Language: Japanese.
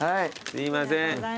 すいません。